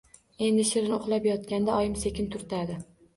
Endi shirin uxlab yotganda oyim sekin turtadi.